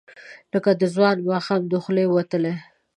لکه د ځوان ماښام، د خولې وتلې،